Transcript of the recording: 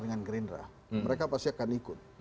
dengan gerindra mereka pasti akan ikut